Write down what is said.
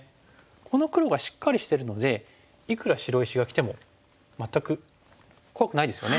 この黒がしっかりしてるのでいくら白石がきても全く怖くないですよね。